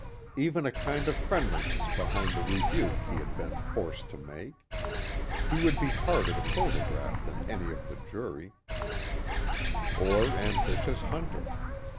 Even a kind of friendliness behind the rebuke he had been forced to make. He would be harder to photograph than any of the jury, or ambitious Hunter.